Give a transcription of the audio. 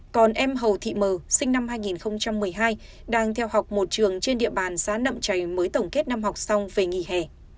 còn em hầu thị mờ sinh năm hai nghìn một mươi hai đang theo học một trường trên địa bàn xã nậm trày mới tổng kết năm học xong về nghỉ hè